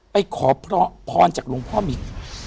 ไปขอพรจากหลวงพ่อหมี